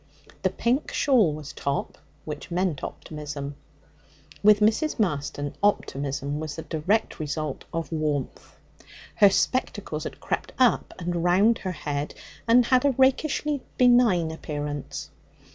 The pink shawl was top, which meant optimism. With Mrs. Marston, optimism was the direct result of warmth. Her spectacles had crept up and round her head, and had a rakishly benign appearance.